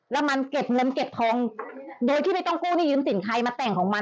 อืมเจ้าสาวไม่อยากให้เป็นข่าวแต่งงานมาสิบสองปี